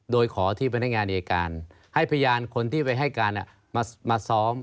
โดยขอที่พนักงานอายการให้พยานคนที่ไปให้การมาซ้อม